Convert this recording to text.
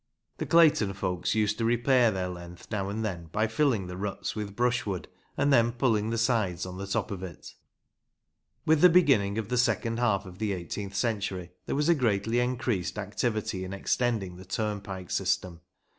The Clayton folks used to repair their length now and then by filling the ruts with brushwood, and then pulling the sides on the top of it. With the beginning of the second half of the eighteenth century there was a greatly increased activity in extending the turnpike system.